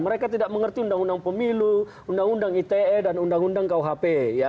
mereka tidak mengerti undang undang pemilu undang undang ite dan undang undang kuhp